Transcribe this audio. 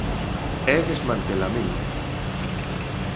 É desmantelamento.